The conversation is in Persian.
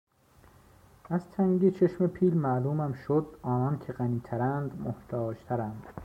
از تنگی چشم پیل معلومم شد آنان که غنی ترند محتاج ترند